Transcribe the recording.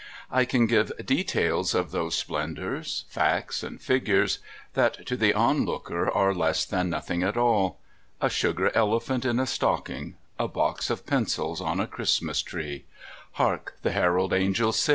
I can give details of those splendours, facts and figures, that to the onlooker are less than nothing at all a sugar elephant in a stocking, a box of pencils on a Christmas tree, "Hark, the Herald Angels..."